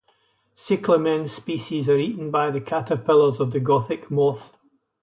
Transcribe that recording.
Cyclamen species are eaten by the caterpillars of The Gothic moth.